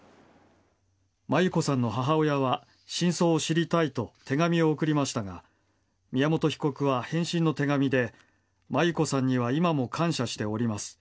真優子さんの母親は真相を知りたいと手紙を送りましたが宮本被告は返信の手紙で真優子さんには今も感謝しております。